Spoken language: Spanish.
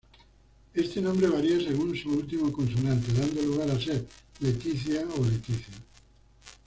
Este nombre varia según su última consonante, dando lugar a ser Letizia o Leticia.